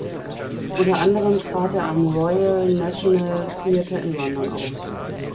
Unter anderem trat er am Royal National Theatre in London auf.